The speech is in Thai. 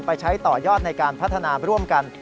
ไปใช้ต่อยอดในการพัฒนาร่วมกัน